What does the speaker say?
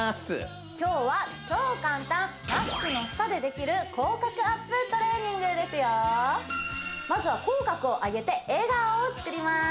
今日は超簡単マスクの下でできる口角アップトレーニングですよまずは口角を上げて笑顔を作ります